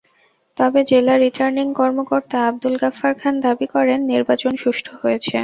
তবে জেলা রিটার্নিং কর্মকর্তা আবদুল গাফফার খান দাবি করেন, নির্বাচন সুষ্ঠু হয়েছে।